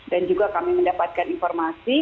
dan juga kami mendapatkan informasi